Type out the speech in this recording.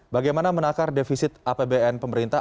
bagaimana menakar defisit apbn pemerintah